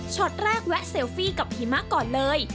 ตอนแรกแวะเซลฟี่กับหิมะก่อนเลย